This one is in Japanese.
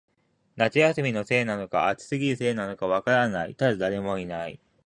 夏休みのせいなのか、暑すぎるせいなのか、わからない、ただ、誰もいない